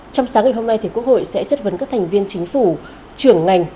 trong sáng ngày hôm nay quốc hội sẽ chất vấn các thành viên chính phủ trưởng ngành